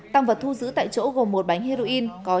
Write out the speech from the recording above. tăng vật thu giữ tại chỗ gồm một bánh heroin